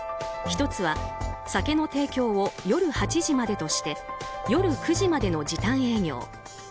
１つは酒の提供を夜８時までとして夜９時までの時短営業。